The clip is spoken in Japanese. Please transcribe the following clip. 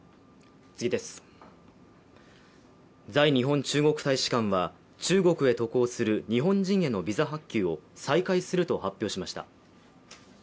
在日本中国大使館は中国へ渡航する日本人へのビザ発給を再開すると発表しました。